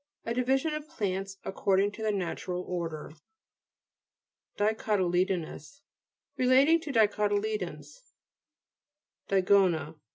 A division of plants, according to the Natural Order. DICOTTLE'BONOUS Relating to dico tyledons, DIGO'NA fr.